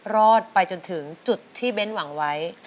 รอดไปจนถึงจุดที่เบ้นหวังไว้